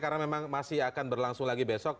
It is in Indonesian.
karena memang masih akan berlangsung lagi besok